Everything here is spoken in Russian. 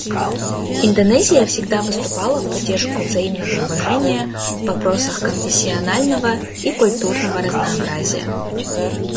Индонезия всегда выступала в поддержку взаимного уважения в вопросах конфессионального и культурного разнообразия.